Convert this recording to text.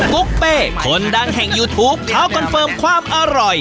กุ๊กเป้คนดังแห่งยูทูปเขาคอนเฟิร์มความอร่อย